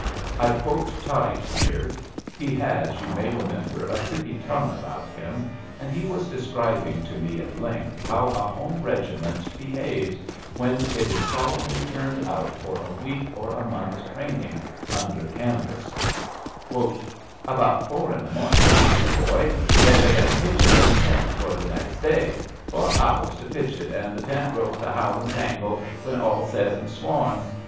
I quote Tighe here. He has, you may remember, a pretty tongue about him, and he was describing to me at length how a home regiment behaves when it is solemnly turned out for a week or a month training under canvas: About four in the mornin*, me dear boy, they 216 ABAFT THE FUNNEL begin pitchin' their tents for the n^st day— four hours to pitch it, and the tent ropes a howlin^ tangle when all's said and sworn.